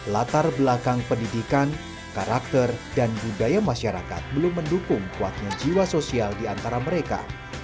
latar belakang pendidikan karakter dan budaya masyarakat belum mendukung kuatnya jiwa sosial di antara mereka